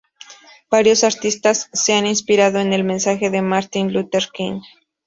Varios artistas se han inspirado en el mensaje de Martin Luther King.